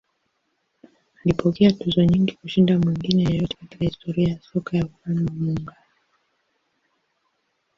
Alipokea tuzo nyingi kushinda mwingine yeyote katika historia ya soka ya Ufalme wa Muungano.